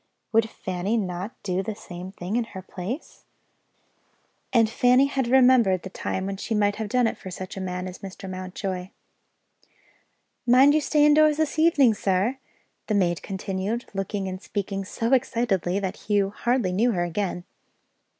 Would Fanny not do the same thing, in her place? And Fanny had remembered the time when she might have done it for such a man as Mr. Mountjoy. "Mind you stay indoors this evening, sir," the maid continued, looking and speaking so excitedly that Hugh hardly knew her again.